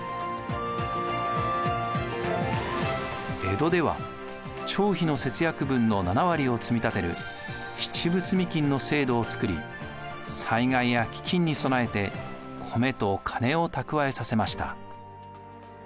江戸では町費の節約分の７割を積み立てる七分積金の制度を作り災害や飢饉に備えて米と金を蓄えさせました。